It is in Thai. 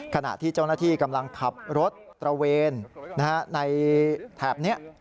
ขณะที่เจ้าหน้าที่กำลังขับรถตระเวนในแถบนี้